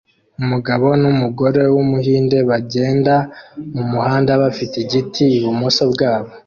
Umugabo numugore wumuhinde bagenda mumuhanda bafite igiti ibumoso bwabo